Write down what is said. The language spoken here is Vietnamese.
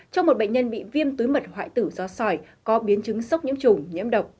cho một bệnh nhân bị viêm túi mật hoại hoại tử do sỏi có biến chứng sốc nhiễm trùng nhiễm độc